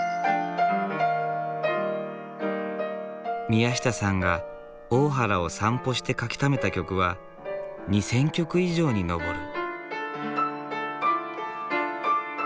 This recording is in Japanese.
宮下さんが大原を散歩して書きためた曲は２，０００曲以上に上る。